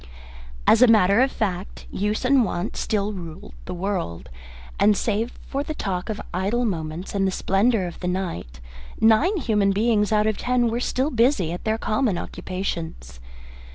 As a matter of fact, use and wont still ruled the world, and save for the talk of idle moments and the splendour of the night, nine human beings out of ten were still busy at their common occupations.